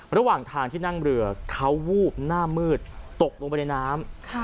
ระหว่างทางที่นั่งเรือเขาวูบหน้ามืดตกลงไปในน้ำ